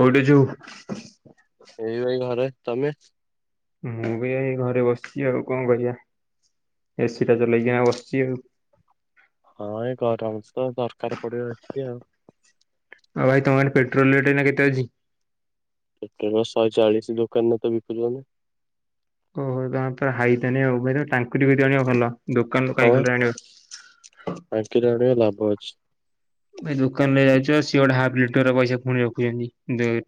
କୋଉଠି ଯୁ? ଏଇ ଭାଇ ଘରେ ତମେ? ମୁଁ ବି ଏ ଘରେ ବସିଛି ଆଉ କଣ କରିବା ଏସିଟା ଚଲେଇକିନା ବସିଛି ଆଉ। ହଁ ଏଇ ଗରମ ସ ଦରକାର ପଡିବ ଏସି ଆଉ। ଆଉ ଭାଇ ତମର ପେଟ୍ରୋଲ ରେଟ ଏନା କେତେ ଅଛି? ପେଟୋଲ ଶହେ ଚାଳିଶ ଦୋକାନରେ ତ ବିକୁଛନ୍ତି। ଓହୋ ତମର ତ ହାଇତାନି ଆଉ ଭାଇ ତମେ ଟାଙ୍କୁରି ବି ଆଣବ ଭଲ ଦୋକାନ ରୁ କାହିଁ ଖୋଲରେ ଆଣିବା। ଟାଙ୍କିରୁ ଆଣିବ ଲାଭ ଅଛି। ଏଇ ଦୋକାନରେ ଯାଉଛ ସିଏ ଗୋଟେ ହାଫ୍ ଲିଟରର ପଇସା ପୁଣି ରଖୁଛନ୍ତି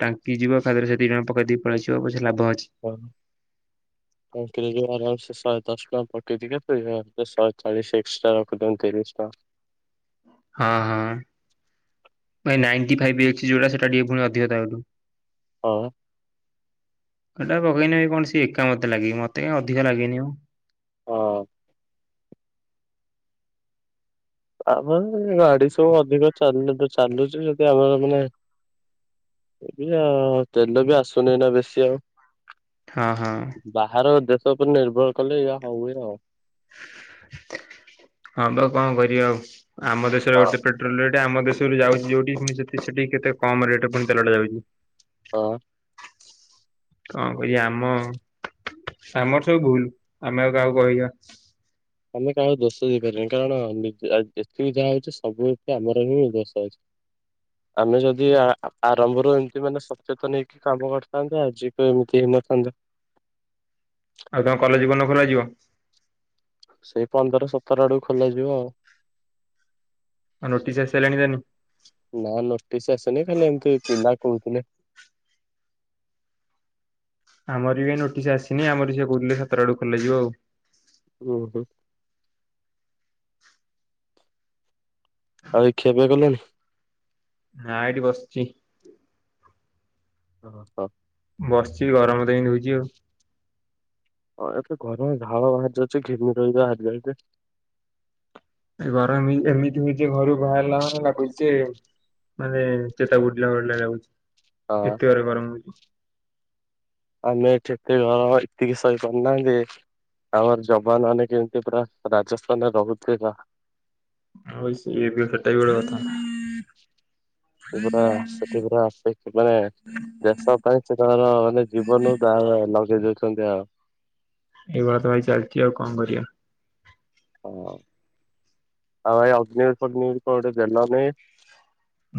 ଟାଙ୍କି ଯିବ ତା ଦେହରେ ସେ ଦି ଜଣ ପକେଇଦେ ପଳେଇ ଆସିବ ପଛେ ଲାଭ ଅଛି। [inaudible] ଁ ଟାଙ୍କିରୁ ଯିବ ଆରାମସେ ଶହେ ଦଶ ଟଙ୍କା ପକେଇ ତ ଶହେ ଚାଳିଶ ଏକ୍ସଟ୍ରା ରଖୁଛନ୍ତି ତିରିଶ ଟଙ୍କା। ହଁ ହଁ। ଭାଇ ନାଇଣ୍ଟି ଫାଇପି ଏ ଯଉଟା ସେଟା ଟିକେ ପୁଣି ଅଧିକ ଡାଉଟୁ। ହଁ। ଏଟା ପକେଇନେବ କଣ ସି ଏକା ମତେ ଲାଗିବ ମତେ କାଇ ଅଧିକ ଲାଗେନି ମ ହଁ। ଆମର ଗାଡି ସବୁ ଅଧିକ ଚାଲୁଛି ଯଦି ଆମର ମାନେ ଏ ଆଉ ତେଲ ବି ଆସୁନି ନା ବେଶୀ ଆଉ ହଁ ହଁ। ବାହାର ଦେଶ ଉପରେ ନିର୍ଭର କଲେ ଏୟା ହଉଏ ଆଉ ହଁ ବା କଣ କରିବା ଆଉ ଆମ ଦେଶରେ ହଁ। ଗୋଟେ ପେ ପେଟ୍ରୋଲ ରେଟ୍ ଆମ ଦେଶରୁ ଯାଉଛି ଯଉଠି ପୁଣି ସେଠି କେତେ କମ ରେଟ୍ ପୁଣି ତେଲଟା ଯାଉଛି। ହଁ। କଣ କରିବା ଆମ ସାମର୍ଥକୁ ଭୁଲୁ ଆମେ ଆଉ କାହାକୁ କହିବା। ଆମେ କାହାର ଦୋଷ ଦେଇପାରିବାନି କାରଣ ଯେତିକି ଯାହା ହଉଛି ସବୁରିକ ଆମର ହିଁ ଦୋଷ ହଉଛି। ଆମେ ଯଦି ଆରମ୍ଭରୁ ଏମତି ମାନେ ସଚେତନ ହେଇକି କାମ କରିଥାନ୍ତେ ଆଜିିକ ଏମିତି ହେଇନଥାନ୍ତେ। ଆଉ ତମ କଲେଜ କୋଉଦିନ ଖୋଲାଯିବ। ସେଇ ପନ୍ଦର ସତର ଆଡକୁ ଖୋଲାଯିବ ଆଉ ଆ ନୋଟିସ୍‌ ଆସିଲାଣି ଯାନି। ନା ନୋଟିସ୍ ଆସନି ଖାଲି ଏମିତି ପିଲା କହୁଥିଲେ। ଆମର ବି ଏ ନୋଟିସ୍ ଆସିନି ଆମର ସେ କହୁଥିଲେ ସତର ଆଡୁ କଲେଜ ଯିବ ଆଉ। ଉଁ ହୁଁ। ଆଉ ଏଇ ଖିଆପିଆ କଲଣି। ନାଁ ଏଇଠି ବସିଛି। ଓ ହୋ ବସିଛି ଗରମ ଦେଇ ହୋଉଛି ଆଉ। ଅ ଏତେ ଗରମ ଝାଳ ବାହାରି ଯାଉଛି ଘିମିର ହେଇ ବାହାରି ଯାଇଚି। ଏ ଗରମ ହି ଏମିତି ହୋଇକି ଘରୁ ବାହାରିଲା ମାନେ ଲାଗୁଛି ଯେ ମାନେ ଚେତା ବୁଡ଼ିଲା ଭଳିଆ ଲାଗୁଛି ହଁ। ଏତେ ଜୋରେ ଗରମ୍ ହୋଉଛି। ଆମେ ଏଠେ ଏତେ ଗରମ ଏତିକି ସହିପାରୁନାହାନ୍ତି। ଆମର ଯବାନ ମାନେ କେମିତି ପୁରା ରାଜସ୍ଥାନରେ ରହୁଥିବେ ଯା। ଆଉ ସିଏ ବି ସେଟା ବି ଗୋଟେ କଥା। ସେ ପୁରା ସେଥି ପୁରା ସେ ମାନେ ଦେଶ ପାଇଁ ସେ ତାଙ୍କର ମାନେ ଜିବନ ତାର ଲଗେଇ ଦୋଉଛନ୍ତି ଆଉ। ଏଇଭଳିଆ ତ ଭାଇ ଚାଲିଛି ଆଉ କଣ କରିବା। ହଁ ଆଉ ଭାଇ ଅଗ୍ନିବୀର୍ ତ ନ୍ୟୁଜ୍ କଣ ଗୋଟେ ଦେଲନି।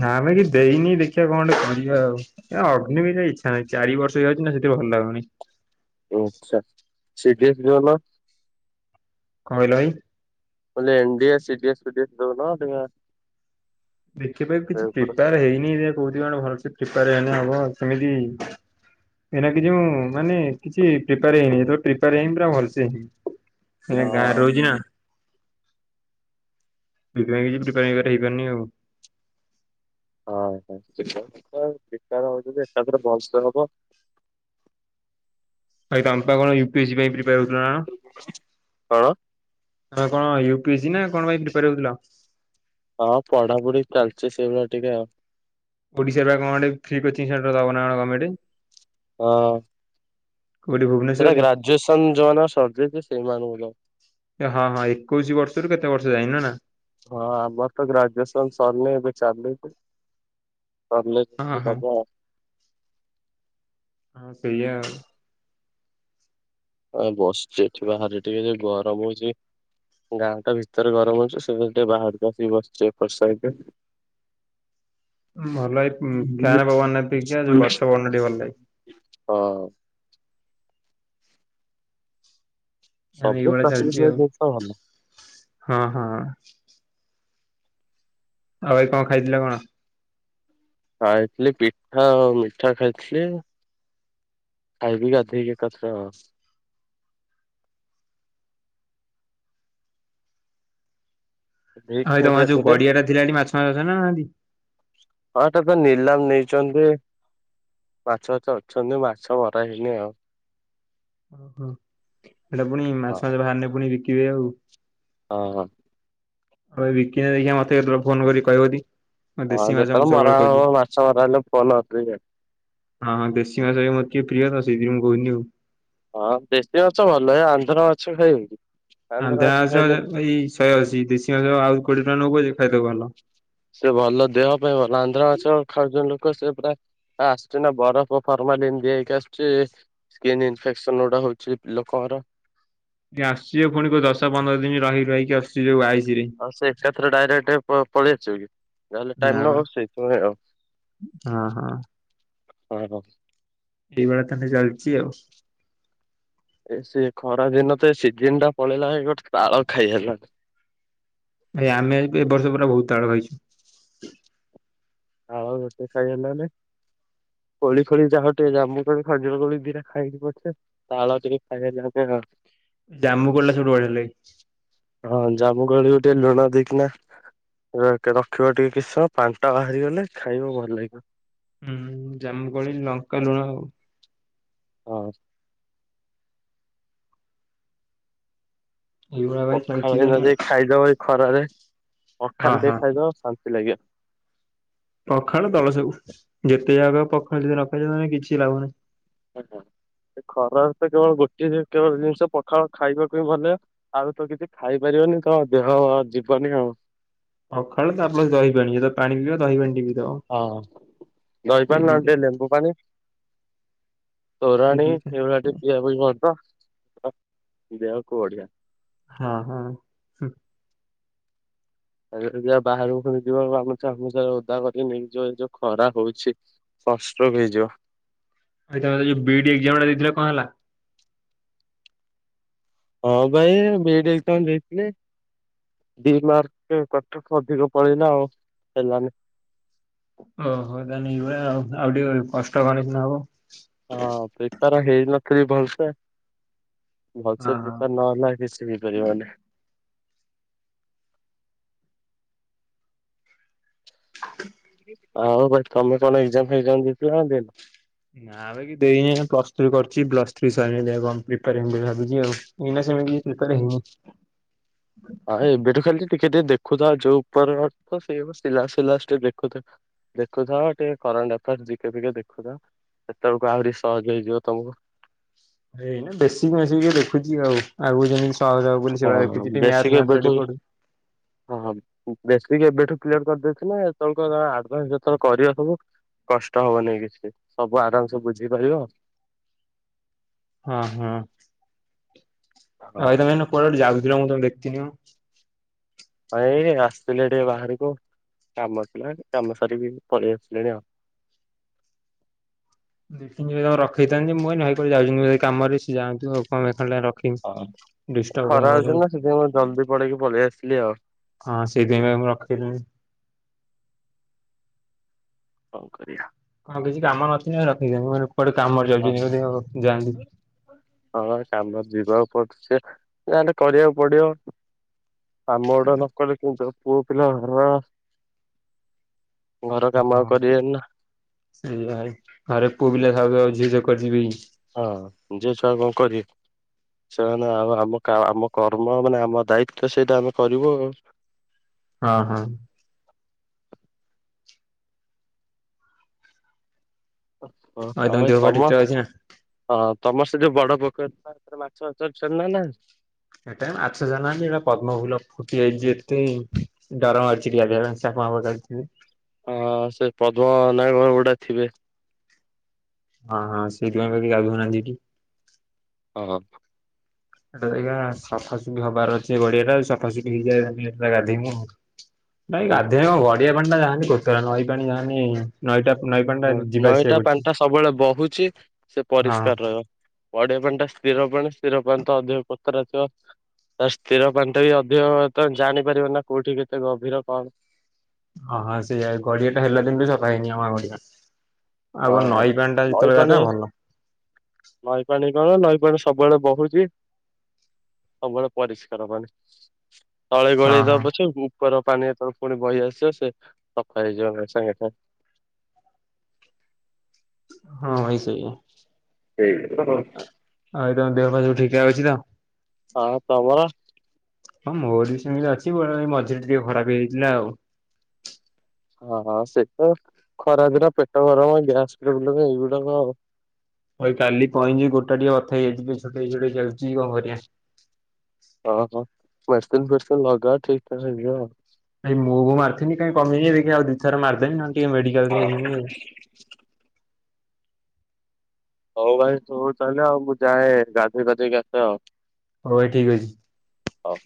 ନାମେ କି ଦେଇନି ଦେଖ୍ୟା କଣ ଗୋଟେ କରିବା ଆଉ। ଏ ଅଗ୍ନିବିରେ ଇଛାନାହିଁ ଚାରି ବର୍ଷ ହେଇଯାଉଚି ନା ସେଠି ଭଲଲାଗୁନି। ହୁଁ ସା ସିଡିଏଫ୍ ଦୋଉନ। କଣ କହିଲ ଭାଇ। କହିଲି ଏନଡିଏ ସିଡ଼ିଏ ଫିଡ଼ିଏଫ୍ ଦୋଉନ ଦେଖି ଆ। ସେଥିପାଇଁ କିଛି ପ୍ରିପାର୍ ହେଇନି ରେ କୋଉଚି କଣ ଭଲସେ ପ୍ରିପାର୍ ହେଇନି ହବ ସେମିତି ଏଇନା କିଛି ମୁଁ ମାନେ କିଛି ପ୍ରିପାର ହେଇନି ଯେତେବେଳ ପ୍ରିପାର୍ ହେଇନି ପୁରା ଭଲସେ ହେଇନି। ଏଇନା ଗାଁରେ ହଁ ରହୁଛି ନା। ସେଥି ପାଇଁ କିଛି ପ୍ରିପାର ଏବାଟେ ହେଇ ପାରୁନି ଆଉ। ହଁ ହଁ [unintelligible] ଏକଥାରକେ ବସ୍ ଜଣଙ୍କ ଭାଇ ତମେପା କଣ ୟୁ ପି ଏସି ପାଇଁ ପ୍ରିପାର୍ ହୋଉଥିଲ ନା କଣ? କଣ ତମେ କଣ ୟୁ ପି ଏସି ନା କଣ ପାଇଁ ପ୍ରିପାର ହୋଉଥିଲ? ହଁ ପଢ଼ା ପଢ଼ି ଚାଲିଚି ସେଇଭଳିଆ ଟିକେ ଆଉ। ଓଡ଼ିଶା ପା କଣ ଗୋଟେ ପ୍ରି କୋଚିଙ୍ଗ୍ ସେଣ୍ଟର ଦବନା କଣ ଗମେଣ୍ଟେ। ହଁ। କୋଉଠି ଭୂବୁନେ ସେରା ଗ୍ରାଜୁଏସନ୍‌ ଯୋଉ ମାନଙ୍କ ସରିଯାଇଛି ସେ ମାନକୁ ଦବ। ହଁ ହଁ ଏକୋଇଶି ବର୍ଷରୁ କେତେ ବର୍ଷ ଯାଏଁ ନା ନା ହଁ ଆମର ତ ଗ୍ରାଜୁଏସନ ସରିନି ଏବେ ଚାଲିଛି। ସର୍ ଲେ ହଁ ସେଠି ହଁ। ଦବା। ହଁ ସେୟା ଆଉ। ଆ ବସିଛି ଏଠି ବାହାରେ ଟିକେ ଯେ ଗରମ ହଉଛି। ଗାଁ ଟା ଭିତରେ ଗରମ ହୋଉଛି ସେଥିପାଇଁ ବାହାରକୁ ଆସିକି ବସିଛି ଏପଟ ସାଇଟ୍ ରେ। ଭଲ ଏ ଫ୍ୟାନ୍ ପବନ ଅପେକ୍ଷା ଗଛ ପବନ ଟିକେ ଭଲ ଲାଗେ। ହଁ। ତାହେନେ ଏଇ ସବୁ ଭଳିଆ ପ୍ରାକୃତିକ ଚାଲିଛି ଆଉ ଜିନିଷ ଭଲ। ହଁ ହଁ। ଆଉ ଭାଇ କଣ ଖାଇଥିଲ କଣ? ଖାଇଥିଲି ପିଠା ଆଉ ମିଠା ଖାଇଥିଲି। ଖାଇବି ଗାଧେଇକି ଏକାଥରେ ଆଉ। ଗାଧେଇ ଭାଇ ଖିଆ ତମର ପିଆ ଯୋଉ କରେ। ଗଡ଼ିଆ ଟା ଥିଲା ହେଠି ମାଛ ମା ଅଛନ୍ତି ନା ନାହାନ୍ତି। ହଁ ଏଟା ତ ନିଲାମ ନେଇଛନ୍ତି ମାଛ ମାଛ ଅଛନ୍ତି ମାଛ ମରା ହେଇନି ଆଉ। ଓହୋ ଏଟା ପୁଣି ମାଛ ହଁ। ମାଛ ବାହାରନେ ପୁଣି ବିକିବେ ଆଉ। ହଁ ହଁ। ଆଉ ବିକିନେ ଦେଖିଆ ମତେ କେତେବେଳେ ଫୋନ୍ କରିକି କହିବ ଟି। ମୁଁ ହଁ ଦେଶୀ ମାଛ ମୁଁ ଯେତେବେଳେ ସବୁବେଳେ ମରା ହବ ଖୋଜୁଛି। ମାଛ ମରାହେନେ ଫୋନ ନଗେଇବି। ହଁ ହଁ ଦେସି ମାଛ ବି ମୋର ଟିକେ ପ୍ରିଅ ତ ସେଇଥି ପାଇଁ କହୁଚି ଆଉ। ହଁ ଦେଶୀ ମାଛ ଭଲ ହ ଆନ୍ଧ୍ର ମାଛ ଖାଇ ବକି। ଆନ୍ଧ୍ରା ମାଛ ଏଇ ଶହେ ଅଶୀ ଦେଶୀ ମାଛ ଆଉ କୋଡିଏ ଟଙ୍କା ନଉ ପଛେ ଖାଇଦବୁ ଭଲ। ସେ ଭଲ ଦେହ ପାଇଁ ଭଲ ଆନ୍ଧ୍ରା ମାଛ ଖାଉଛନ୍ତି ଲୋକ ସେ ପୁରା ଆ ଆସୁଚି ନା ବରଫ ଫର୍ମାଲିନ ହେଇକି ଆସୁଛି। ସ୍କିନ୍ ଇନଫେକ୍ସନ ଗୋଟା ହଉଛି ଲୋକଙ୍କର। ଆସୁଛି ଯେ ପୁଣି ଦଶ ପନ୍ଦର ଦିନ ରହି ରହିକି ଆସୁଛି ଯୋଉ ଆଇସି ରେ। ଆଉ ସେ ଏକାଥରେ ଡାଇରେକ୍ଟ ପ ପଳେଇ ଆସିବ କି। ଯାହେଲେ ନା ଟାଇମ ବା ନବ ସେଇଥିପାଇ ଆଉ ହଁ ହଁ। ହ ହ। ଏଇଭଳିଆ ତାହେଲେ ଚାଲିଛି ଆଉ। ଏ ସେ ଖରା ଦିନ ତ ଏ ସିଜନ ଟା ପଳେଇଲା ଭାଇ ଗୋଟେ ତାଳ ଖାଇ ହେଲାନାହିଁ। ଭାଇ ଆମେ ଏବେ ଏ ବର୍ଷ ପୁରା ବହୁତ ତାଳ ଖାଇଛୁ। ତାଳ ଗୋଟେ ଖାଇ ହେଲାନାହିଁ। କୋଳି ଫୋଳି ଯାହା ହୋଉ ଟିକେ ଜାମୁ କୋଳି ଖଜିର କୋଳି ଦିଟା ଖାଇଲି ପଛେ। ତାଳ ଟିକେ ଖାଇ ହେଲା ନେଇଁ। ଜାମୁ କୋଳି ଟା ସବୁଠୁ ବଢ଼ିଆ ଲାଗେ। ହଁ ଜାମୁ କୋଳି କୁ ଟିକେ ଲୁଣ ଦେଇକିନା ର ରଖିବ ଟିକେ କିଛି ସମୟ ପାଣିଟା ବାହା ରିଗଲେ ଖାଇବ ଭଲ ଲାଗିବ। ହୁଁ ଜାମୁକୋଳି ଲଙ୍କା ଲୁଣ ଆଉ। ହଁ। ଏଇଭଳିଆ ଭାଇ ପଖାଳ ଚାଲିଛି ଦିନ ତାନେ ଯେ ଆଉ। ଖାଇଦବ ଏ ଖରାରେ ପଖାଳ ହଁ ହଁ ଟିକେ ଖାଇଦବ ଶାନ୍ତି ଲାଗିବ। ପଖାଳ ତଳ ସବୁ ଯେତେ ଯାହା କହିବ ପଖାଳ ଯଦି ନ ଖାଇଛ ତାହେଲେ କିଛି ଲାଭନାହିଁ। ଆଜ୍ଞା ଏ ଖରାରେ ତ କେବଳ ଗୋଟିଏ କେବଳ ଜିନିଷ ପଖାଳ ଖାଇବାକୁ ହିଁ ଭଲଲାଗିବ। ଆଉ ତ କିଛି ଖାଇପାରିବନି ତ ଦେହ ଯିବନି ଆଉ। ପଖାଳ ତାପରେ ଦହିପାଣି ଯେତେବେଳେ ପାଣି ପିଇବ ଦହିପାଣି ଟିକେ ପିଇଦବ। ହଁ ଏଇ ଦହିପାଣି ନହେଲେ ଦିଟା ଟିକେ ଲେମ୍ବୁ ପାଣି। ଏଇ ତୋରାଣୀ ଦିଟା ଏଇଭଳିଆ ଟିକେ ପିଇବା ପାଇଁ ଭଲ ଦେହକୁ ବଢିଆ। ହଁ ହଁ। ହୁଁ ଆଉ ଯେତେବଳେ ଯିବା ବାହାରକୁ ଫୁଣି ଯିବ ଗାମୁଛା ଫାମୁଛା ଓଦା କରିକି ନେଇକି ଯିବ ଏ ଯୋଉ ଖରା ହଉଛି। ସନଷ୍ଟ୍ରୁକ ହେଇଯିବ। ଭାଇ ତମେ ଯୋଉ ବି ଇ ଡି ଏକ୍ଜାମ ଟା ଦେଇଥିଲ କଣ ହେଲା? ହଁ ଭାଇ ବି ଇ ଡି ଏଗଜାମ୍ ଦେଇଥିଲି। ଦି ମାର୍କ କଟଅଫ୍ ଅଧିକ ପଳେଇଲା ଆଉ ହେଲାନି। ଓହୋ ତାହେଲେ ଏଇଭଳିଆ ଆଉ ଟିକେ କଷ୍ଟ କଲେ ସିନା ହବ। ହଁ ପ୍ରିପେୟାର ହେଇନଥିଲି ଭଲସେ। ଭଲସେ ହଁ ହଁ। ପ୍ରିପେୟାର ନହେଲେ କିଛିବି ହେଇପାରିବନି। ଆଉ ଭାଇ ତମେ କଣ ଏକ୍ସାମ ଫେକଜାମ ଦେଇଥିଲ ନା ଦେଇନ? ନାଁ। ଭାଇ କିଛି ଦେଇନି, ଏଇନା ପ୍ଲସ ଥ୍ରି କରୁଛି। ପ୍ଲସ୍ ଥ୍ରୀ ସଇଲେ ଦେଖିଆ କଣ ପ୍ରିପେୟାର ହେବି ବୋଲି ଭାବୁଛି ଆଉ। ଏଇନା ସେମିତିି କିଛି ପ୍ରିପେୟାର ହେଇନି ଆଉ ଏବେଠୁ ଖାଲି ଟିକେ ଟିକେ ଦେଖୁଥାଅ, ଯୋଉ ଉପର ଅର୍ଥ ସେଇ ସିଲା ସିଲାବସ ଟିକେ ଦେଖୁଥାଅ। ଦେଖୁଥାଅ ଟିକେ କରେଣ୍ଟ ଆଫେୟାର୍, ଜି କେ ଫି କେ ଦେଖୁଥାଅ, ସେତେବେଳକୁ ଆହୁରି ସହଜ ହେଇଯିବ ତମକୁ। ଏଇନା ବେସିକ୍ ମେସିକ୍ କିଏ ଦେଖୁଛି ଆଉ, ଆଗରୁ ଯେମିତି ସହଜ ହବ ବୋଲି ସେଇଭଳିଆ ଦେଖୁଛି, ହଁ ଟିକେ ମ୍ୟାଥ୍ ମ୍ୟାଥ୍ ଗୁରା ଟିକେ ପଢୁ ହଁଁ ବେସିକ୍ ଏବେଠୁ କ୍ଲିୟର କରିଦେଇଥିଲେ, ହେତେବେଳକୁ ଆଡଭାଇସ ଯେତେବେଳେ କରିବାକୁ ହବ କଷ୍ଟ ହବନେଇ କିଛି, ସବୁ ଆରାମ ସେ ବୁଝିପାରିବ। ହଁ- ହଁ। ଆଉ ତମେ ହଁ ହେଦିନ କୁଆଡେ ଗୋଟେ ଯାଉଥିଲ, ମୁଁ ତମକୁ ଦେଖିଥିଲି। ହଁ ଏଇ ଆସିଥିଲି ଟିକେ ବାହାରକୁ କାମ ଥିଲା, କାମ ସାରିକି ପଳେଇ ଆସିଲେଣି ଆଉ। ଦେଖିଲି ଯେମିତି ରଖେଇଥାନ୍ତି ଯେ, ମୁଁ କହିଲି ଭାଇ କୁଆଡେ ଯାଉଛନ୍ତି ଭାଇ କାମରେ ସେ ଯାଆନ୍ତୁ। କଣ ପାଇଁ ଖାଲିଟାରେ ର- ହଁ ଏ ଖରା ହଉଛି ନା, ସେଥିପାଇଁ ମୁଁ ଜଲଦି ପଳେଇକି ପଳେଇ ଆସିଲି ଆଉ। ହଁ ସେଇଥିପାଇଁ ବା ମୁଁ ରଖିଲିନି। କଣ କରିଆ? କଣ କିଛି କାମ ନଥିଲେ ରଖିଦିଅନ୍ତି, ମୁଁ କହିଲି କୁଆଡେ କାମରେ ଯାଉଚନ୍ତି ହଁ। ବୋଧେ ଯାଆନ୍ତୁ। ହଁ କାମରେ ଯିବାକୁ ପଡୁଚି ଯେ, ଯାହେଲେ କରିବାକୁ ପଡିବ। କାମ ଗୁଡା ନକଲେ କେମିତି ହବ, ପୁଅ ପିଲା ଘରର। ଘର କାମ ଆଉ ହଁ କରିବାନି ନା। ସେଇଆ ଭାଇ ଘରେ ପୁଅ ପିଲା ଥାଉ ଥାଉ, ଝିଅ ଛୁଆ କୁଆଡେ ଯିବେ କି? ହଁ ଝିଅ ଛୁଆ କଣ କରିବେ? ସେମାନେ ଆଉ ଆମ ଆମ କର୍ମ, ମାନେ ଆମ ଦାୟିତ୍ୱ ସେଇଟା ଆମେ କରିବୁ ଆଉ। ହଁ- ହଁ। ହଁ ଆଉ ତମ ଭାଇ ଦେହ ପା ଠିକ୍ ତମର ଠାକ୍ ଅଛି ନା? ହଁ ତମର ସେ ଯୋଉ ବଡ ପୋଖରୀ ଥିଲା, ସେଥିରେ ମାଛ ଅଛନ୍ତି ନା ନାହାନ୍ତି? ଏଇଟାରେ ମାଛ ଛାଡି ନାହାନ୍ତି ଯେ, ସେଇଟା ପଦ୍ମ ଫୁଲ ଫୁଟି ଯାଇଛି ଏତେ ଡର ମାଡୁଚି [unintelligible] ପାଇଁ ସାପ ମାପ ଯଦି ଥିବେ? ହଁ ସେ ପଦ୍ମନାଗ ଗୁଡା ଥିବେ। ହଁ- ହଁ ସେଇଥିପାଇଁ ବା କିଏ ଗାଧଉନାହାନ୍ତି ଏଠି। ଓ ହୋ। ଏଟା ଆଜ୍ଞା ସଫାସଫି ହବାର ଅଛି ଗଡିଆଟା, ଆଉ ସଫାସଫି ହେଇଯାଏ ତାହେଲେ ଗାଧେଇମି ଆଉ। ନାଇ ଗାଧେଇବା ଆଚ୍ଛା। କଣ ଗଡିଆ ପାଣିଟା ଯାହା ହେଲେ କଚରା, ନଈ ପାଣି ଯାହା ହେଲେ ହଁ ନଈଟା ପାଣିଟା ସବୁବେଳେ ବହୁଚି, ସେ ହଁ ପରିଷ୍କାର ରହିବ। ଗଡ଼ିଆ ପାଣିଟା ସ୍ଥିର ପାଣି, ସ୍ଥିର ପାଣି ତ ଅଧିକ କୋତରା ଥିବ। ତ ସ୍ଥିର ପାଣିଟା ବି ଅଧିକ, ତ ଜାଣିପାରିବ ନା କୋଉଠି କେତେ ଗଭୀର କଣ? ହଁ- ହଁ ସେଇଆ ଗଡିଆଟା ହେଲା ଦିନଠୁ ସଫା ହେଇନି, ଆମ ଗଡ଼ିଆ। ଆଉ ହଁ। ନଈ ପାଣିଟା ନଈ ଯେତେବେଳେ ପାଣି ଗାଧାଅ ଭଲ। ନଈ ପାଣି କଣ, ନଈ ପାଣି ସବୁବେଳେ ବହୁଚି। ସବୁବେଳେ ପରିଷ୍କାର ପାଣି। ତଳେ ହଁ ଗୋଳେଇ ଦବ ହଁ ପଛେ ଉପର ପାଣି ‌ଯେତେବେଳେ ପୁଣି ବହି ଆସିବ, ସେ ସଫା ହେଇଯିବ ସାଙ୍ଗେ ସାଙ୍ଗେ। ହଁ ଭାଇ ସେଇଆ। ସେଇ। [unintelligible] ଆଉ ତମ ଦେହ ପା ସବୁ ଠିକ୍ ଠାକ୍ ଅଛି ନା? ଆଉ ତମର? ହଁ ମୋର ବି ସେମିତି ଅଛି, ବେଳେ ବେଳେ ମଝିରେ ଟିକେ ଖରାପ ହେଇଯାଇଥିଲା ଆଉ। ହଁଁ ସେଇ ତ ଖରା ଦିନ ପେଟ ଗରମ, ଗ୍ୟାସ୍ ପ୍ରୋବ୍ଲେମ ଏଇଗୁଡାକ ଆଉ। ଭାଇ କାଲି କଣ ହେଇଚି ଗୋଡଟା ଟିକେ ବଥା ହେଇଯାଇଚି, ଟିକେ ଛୋଟେଇ ଛୋଟେଇ ଚାଲୁଛି କଣ କରିଆ। ହଁ- ହଁ ମେଡ଼ିସିନ୍ ଫେଡିସିନ୍ ଲଗାଅ, ଠିକ୍ ଠାକ୍ ହେଇଯିବ ଆଉ। ଭାଇ ମୁଭ୍ ମାରିଥିଲି କାଇଁ କମିନି ଦେଖିବା ଆଉ ଦିଥର ମାରିଦେବି, ନହେଲେ ଟିକେ ମେଡିକାଲ ଟିକେ ଜିମି ଆଉ। ହଉ ଭାଇ [unintelligible] ତାହେଲେ ଆଉ, ମୁଁ ଯାଏ ଗାଧେଇ ପାଧେଇକି ଆସେ ଆଉ। ହଉ ଭାଇ ଠିକ୍ ଅଛି। ହଉ।